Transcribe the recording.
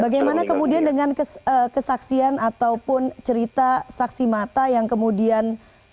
bagaimana kemudian dengan kesaksian ataupun cerita saksi mata yang kemudian